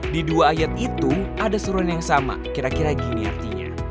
di dua ayat itu ada seruan yang sama kira kira gini artinya